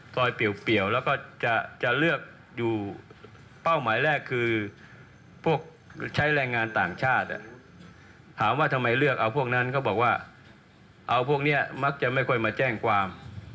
ถามว่าทำไมเลือกเอาพวกนั้นก็บอกว่าเอาพวกนี้มักจะไม่ค่อยมาแจ้งความ